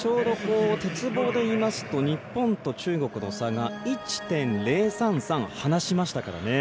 鉄棒で言いますと日本と中国の差が１．０３３離しましたからね。